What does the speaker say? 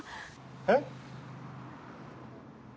えっ？